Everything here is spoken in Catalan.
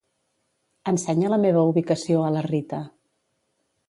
Ensenya la meva ubicació a la Rita.